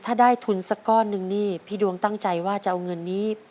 ถ้าได้ทุนสักก้อนหนึ่งนี่พี่ดวงตั้งใจว่าจะเอาเงินนี้